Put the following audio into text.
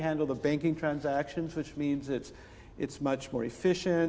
jadi mereka mengurus transaksi bank yang berarti lebih efisien